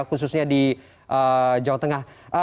khususnya di jawa tengah